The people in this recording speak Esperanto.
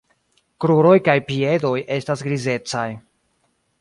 Kruroj kaj piedoj estas grizecaj.